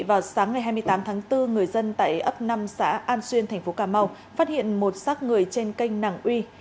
vào sáng ngày hai mươi tám tháng bốn người dân tại ấp năm xã an xuyên thành phố cà mau phát hiện một xác người trên kênh nẳng uy